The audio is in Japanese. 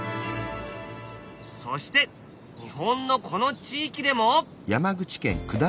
そして日本のこの地域でも？